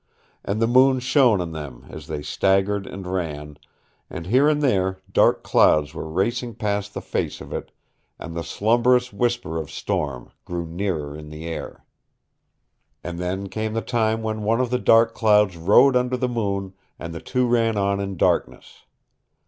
And the moon shone on them as they staggered and ran, and here and there dark clouds were racing past the face of it, and the slumberous whisper of storm grew nearer in the air. And then came the time when one of the dark clouds rode under the moon and the two ran on in darkness.